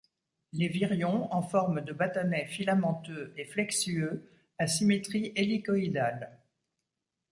Les virions en forme de bâtonnets filamenteux et flexueux à symétrie hélicoïdale.